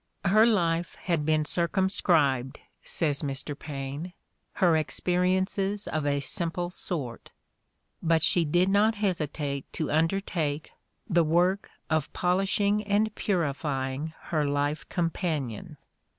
"Her life had been circum scribed," says Mr. Paine, "her experiences of a simple sort"; but she did not hesitate to undertake "the work of polishing and purifying her life companion.